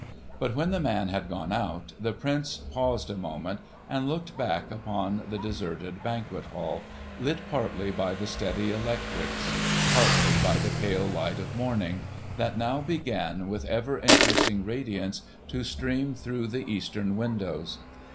But when the man had gone out, the Prince paused a moment, and looked back upon the deserted Banquet Hall, lit partly by the steady electrics, partly by the pale light of morning, that now began with ever increasing radiance to stream through the eastern windows.